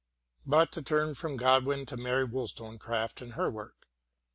But to turn from Godwin to Mary Wollstone craft and her work.